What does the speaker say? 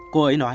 cô ấy nói